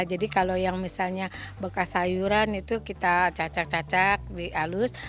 jadi kalau yang misalnya bekas sayuran itu kita cacak cacak di alus